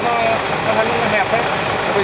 nó ngủ ở đó nó mẹp đấy